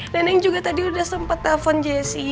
neneng juga tadi udah sempet telfon jessy